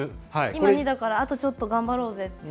今２だから、あとちょっと頑張ろうぜっていう。